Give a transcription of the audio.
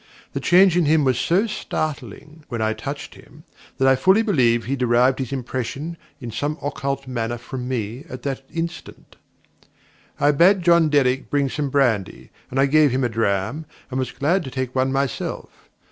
The change in him was so startling when I touched him, that I fully believe he derived his impression in some occult manner from me at that instant. I bade John Derrick bring some brandy, and I gave him a dram, and was glad to take one myself.